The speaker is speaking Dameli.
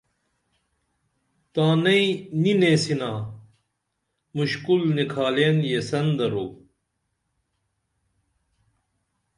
تانئیں نی نیسین یِنا مُشکل نِکھالیئن یسین درو